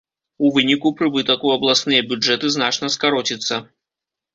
У выніку прыбытак у абласныя бюджэты значна скароціцца.